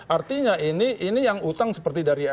artinya ini yang utang seperti dari